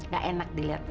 gak enak diliatnya